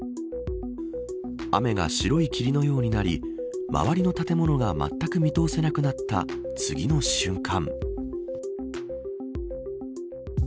雨が白い霧のようになり周りの建物がまったく見通せなくなった次の瞬間。